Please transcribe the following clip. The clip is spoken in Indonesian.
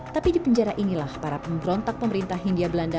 tapi di penjara inilah para pemberontak pemerintah hindia belanda